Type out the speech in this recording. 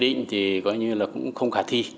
quy định thì gọi như là cũng không khả thi